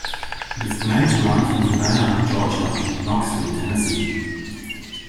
It is planned to run from Savannah, Georgia, to Knoxville, Tennessee.